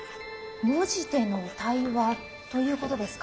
文字での対話ということですか？